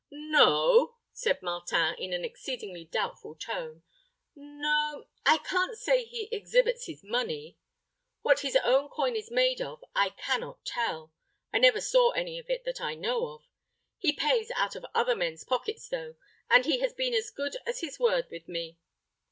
"No," said Martin, in an exceedingly doubtful tone, "no I can't say he exhibits his money. What his own coin is made of, I can not tell. I never saw any of it that I know of. He pays out of other men's pockets though, and he has been as good as his word with me."